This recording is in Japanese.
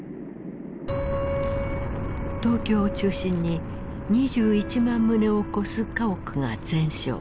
東京を中心に２１万棟を超す家屋が全焼。